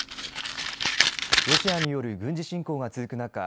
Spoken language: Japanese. ロシアによる軍事侵攻が続く中